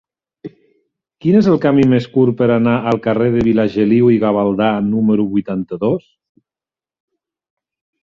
Quin és el camí més curt per anar al carrer de Vilageliu i Gavaldà número vuitanta-dos?